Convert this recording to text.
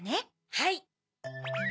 はい！